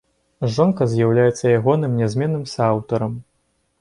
Жонка з'яўляецца ягоным нязменным сааўтарам.